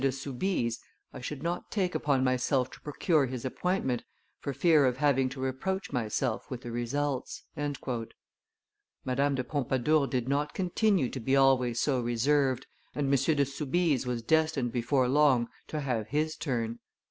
de Soubise, I should not take upon myself to procure his appointment, for fear of having to reproach myself with the results." Madame de Pompadour did not continue to be always so reserved, and M. de Soubise was destined before long to have his turn.